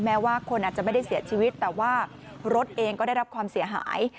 แม้ว่าคนอาจจะไม่ได้เสียชีวิตแต่ว่ารถเองก็ได้รับความเสียหาย